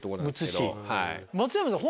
松山さん